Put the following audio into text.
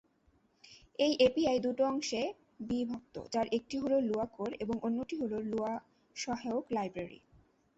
এই এপিআই দুটো অংশে বিভক্ত, যার একটি হলো লুয়া কোর এবং অন্যটি হলো লুয়া সহায়ক লাইব্রেরি।